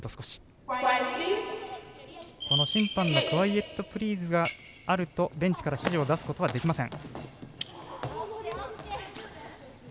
審判のクワイエットプリーズがあるとベンチから指示を出すことはできません。